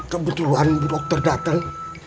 kebetulan dokter datang